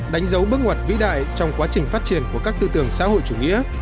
đánh dấu bước ngoặt vĩ đại trong quá trình phát triển của các tư tưởng xã hội chủ nghĩa